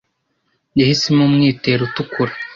Yahisemo umwitero utukura.